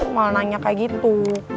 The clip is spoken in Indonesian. malah nanya kayak gitu